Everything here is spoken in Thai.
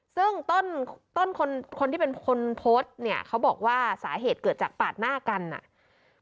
ซึ่งต้นต้นคนคนที่เป็นคนโพสต์เนี่ยเขาบอกว่าสาเหตุเกิดจากปาดหน้ากันอ่ะ